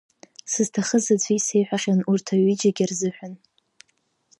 Сызҭахыз аӡәы исеиҳәахьан урҭаҩыџьагьы рзыҳәан.